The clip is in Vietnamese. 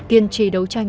kiên trì đấu tranh